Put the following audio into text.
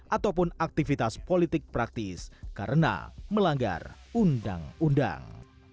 ataupun aktivitas politik praktis karena melanggar undang undang